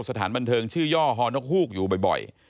สถานบันเทิงชื่อย่อฮอนกฮูกอยู่บ่อย